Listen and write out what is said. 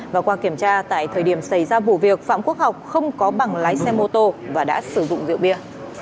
và qua kiểm tra tại thời điểm xảy ra vụ việc phạm quốc học không có bằng lái xe mô tô và đã sử dụng rượu bia